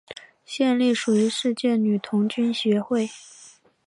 现隶属于世界女童军协会。